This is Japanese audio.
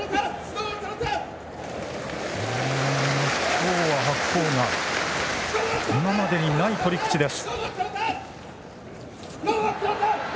今日は白鵬が今までにない取り口です。